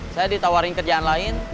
saya ditawarin kerjaan lain